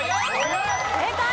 正解。